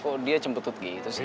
kok dia cempetut gitu sih